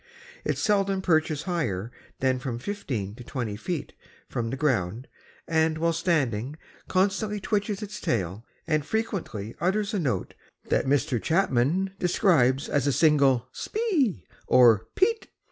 It seldom perches higher than from fifteen to twenty feet from the ground, and while standing constantly twitches its tail and frequently utters a note that Mr. Chapman describes as a single spee or peet.